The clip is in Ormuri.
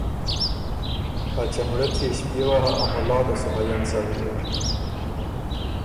”ا چمړۀ تيې ݭپيېوه هۀ ا مُلا ده سو مئن سَۀ ویزر“